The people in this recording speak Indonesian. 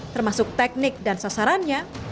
termasuk teknik dan sasarannya